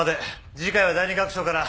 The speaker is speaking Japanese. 次回は第２楽章から。